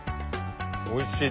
おいしい！